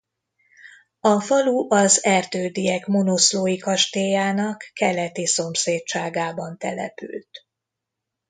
A falu az Erdődyek monoszlói kastélyának keleti szomszédságában települt.